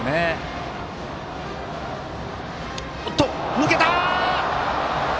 抜けた！